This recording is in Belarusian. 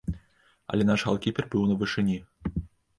Але наш галкіпер быў на вышыні.